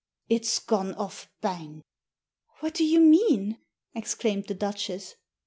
"It's gone off bang!" "What do you mean?" exclaimed the Duchess.